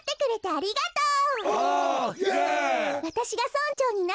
ありがとう。